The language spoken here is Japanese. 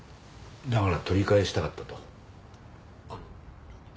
だから取り返したかったと。